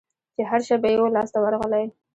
چي هرشی به یې وو لاس ته ورغلی